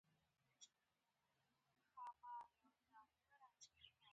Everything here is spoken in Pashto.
غذا د بدن په کومو برخو کې چمتو کېږي؟